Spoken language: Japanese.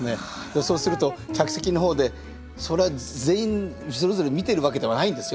そうすると客席の方でそれは全員それぞれ見てるわけではないんですよ。